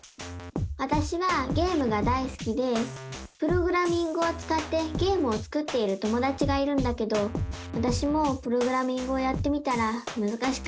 わたしはゲームがだいすきでプログラミングをつかってゲームを作っている友だちがいるんだけどわたしもプログラミングをやってみたらむずかしくて。